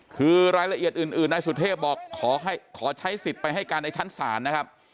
คือรายละเอียดอื่นนายสุเทพบอกขอใช้สิทธิ์ไปให้การในชั้นศาลนะครับ